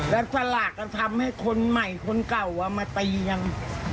แล้วสลากก็ทำให้คนใหม่คนเก่าเอามาเตียง